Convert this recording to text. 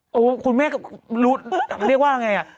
โหคุณแม่เรียกว่าอะไรไง